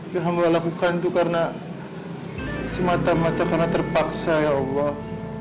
yang hamba allah lakukan itu karena semata mata karena terpaksa ya allah